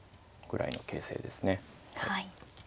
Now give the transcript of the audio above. はい。